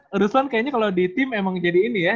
kayaknya kalau di tim emang jadi ini ya